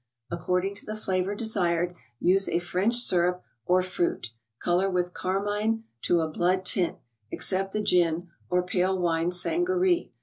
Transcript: According to the flavor desired, use a French syrup or fruit; color with carmine to a blood tint, except the gin, or pale wine sangaree.